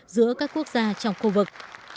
giữa các quốc gia trong khu vực